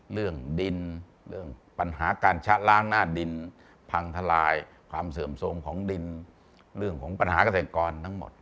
เรื่องดินเรื่องปัญหาการชะล้างหน้าดินพังทลายความเสื่อมโทรมของดินเรื่องของปัญหาเกษตรกรทั้งหมด